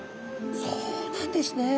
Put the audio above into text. そうなんですね。